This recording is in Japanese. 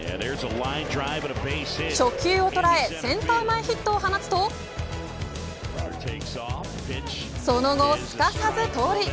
初球を捉えセンター前ヒットを放つとその後すかさず盗塁。